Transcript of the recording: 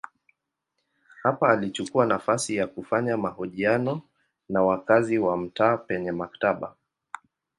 Hapa alichukua nafasi ya kufanya mahojiano na wakazi wa mtaa penye maktaba.